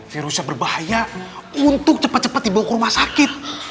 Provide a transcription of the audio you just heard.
virusnya berbahaya untuk cepat cepat dibawa ke rumah sakit